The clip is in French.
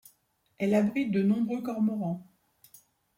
Elle abrite de nombreux cormorans.